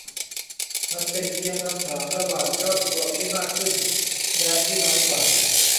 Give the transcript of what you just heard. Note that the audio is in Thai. มันเป็นเพียงคำถามระหว่าง ยอดรวมที่มากขึ้นและที่น้อยกว่า